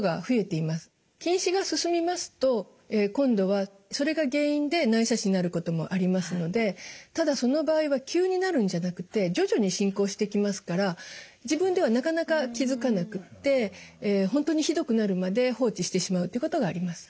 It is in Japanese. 近視が進みますと今度はそれが原因で内斜視になることもありますのでただその場合は急になるんじゃなくて徐々に進行してきますから自分ではなかなか気付かなくって本当にひどくなるまで放置してしまうということがあります。